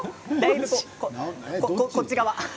こっち側。